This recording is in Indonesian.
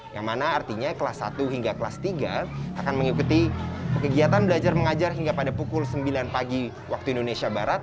yang mana artinya kelas satu hingga kelas tiga akan mengikuti kegiatan belajar mengajar hingga pada pukul sembilan pagi waktu indonesia barat